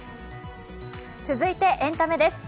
続いてエンタメです。